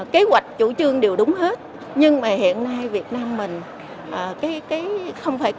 kế hoạch chủ trương đều đúng hết nhưng mà hiện nay việt nam mình không phải